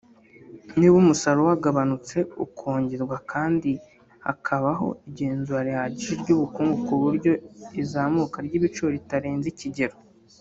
niba umusaruro wagabanutse ukongerwa kandi hakabaho igenzura rihagije ry’ubukungu ku buryo izamuka ry’ibiciro ritarenza ikigero